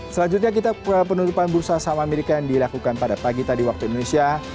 selanjutnya kita penutupan bursa saham amerika yang dilakukan pada pagi tadi waktu indonesia